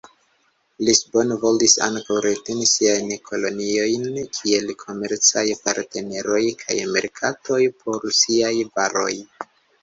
Lisbono volis ankaŭ reteni siajn koloniojn kiel komercaj partneroj kaj merkatoj por siaj varoj.